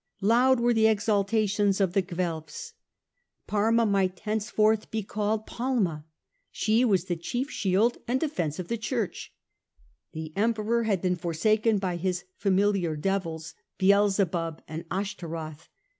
Loud were the exultations of the Guelfs. Parma THE GATHERING OF THE CLOUDS 263 might henceforth be called Palma : she was the chief shield and defence of the Church. The Emperor had been forsaken by his familiar devils, Baalzebub and Ashtaroth.